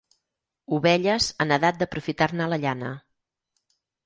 Ovelles en edat d'aprofitar-ne la llana.